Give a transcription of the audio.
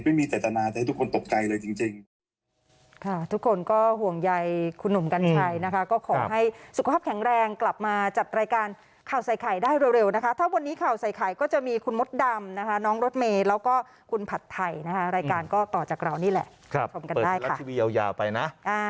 ไม่มีเจตนาจะให้ทุกคนตกใจเลยจริง